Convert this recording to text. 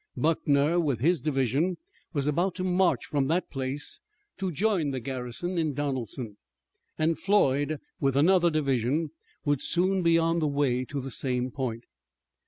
Buckner, with his division, was about to march from that place to join the garrison in Donelson, and Floyd, with another division, would soon be on the way to the same point.